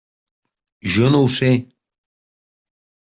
Jo no ho sé.